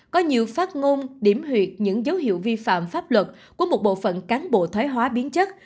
có nhiều phát ngôn điểm huyệt những dấu hiệu vi phạm pháp luật của một bộ phận cán bộ thoái hóa biến chất